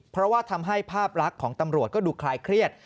เพราะว่าทำให้ภาพลักษณ์ของตำรวจก็ดูคลายเครียด